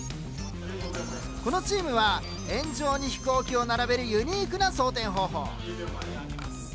このチームは円状に飛行機を並べるユニークな装填方法。